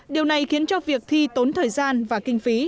điều này khiến cho việc thi tốn thời gian và kinh phí